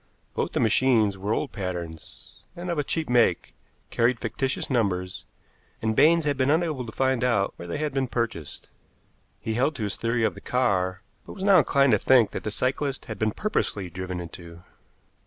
Both the machines were old patterns, and of a cheap make, carried fictitious numbers, and Baines had been unable to find out where they had been purchased. He held to his theory of the car, but was now inclined to think that the cyclists had been purposely driven into.